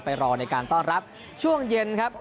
รอในการต้อนรับช่วงเย็นครับ